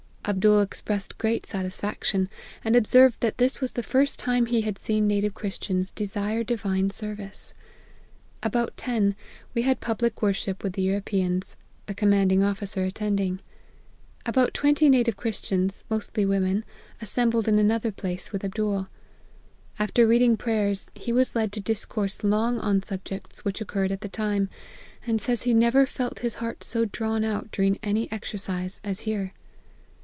Abdool expressed great satisfaction, and observed that this was the first time he had seen native Christians desire divine service. About ten, we had public worship with the Europeans, the commanding of ficer attending. About twenty native Christians, mostly women, assembled in another place, with Abdool ; after reading prayers, he was led to dis jourse long on subjects which occurred at the time, and says he never felt his heart so drawn out during any exercise as here.